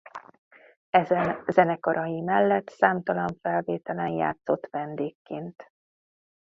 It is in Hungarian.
Ezen zenekarai mellett számtalan felvételen játszott vendégként.